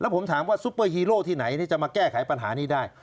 ผมถามว่าซุปเปอร์ฮีโร่ที่ไหนจะมาแก้ไขปัญหานี้ได้